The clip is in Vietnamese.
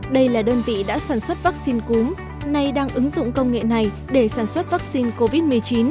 đây là đơn vị đã sản xuất vaccine cúm nay đang ứng dụng công nghệ này để sản xuất vaccine covid một mươi chín